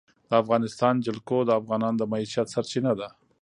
د افغانستان جلکو د افغانانو د معیشت سرچینه ده.